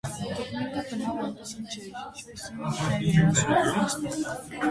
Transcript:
Տիկնիկը բնավ այնպիսին չէր, ինչպիսին ինքն էր երազում պատրաստել։